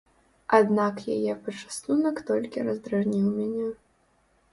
Аднак яе пачастунак толькі раздражніў мяне.